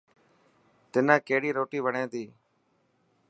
تنان ڪهڙي روٽي وڻي تي.